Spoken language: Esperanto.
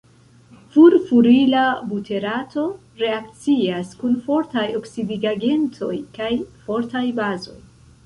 Furfurila buterato reakcias kun fortaj oksidigagentoj kaj fortaj bazoj.